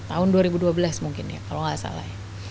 tahun dua ribu dua belas mungkin ya kalau nggak salah ya